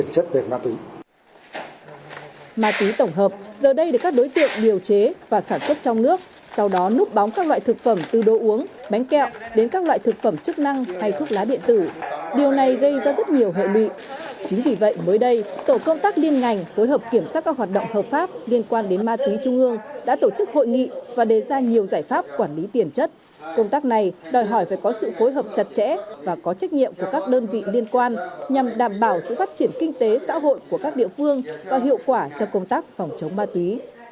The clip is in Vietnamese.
các đối tiện điều chế và sản xuất trong nước sau đó núp bóng các loại thực phẩm từ đồ uống bánh kẹo đến các loại thực phẩm trả lời